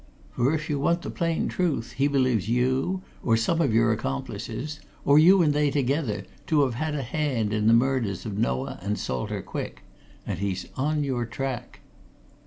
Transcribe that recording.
For if you want the plain truth, he believes you, or some of your accomplices, or you and they together, to have had a hand in the murders of Noah and Salter Quick. And he's on your track."